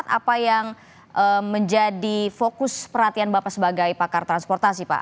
apa yang menjadi fokus perhatian bapak sebagai pakar transportasi pak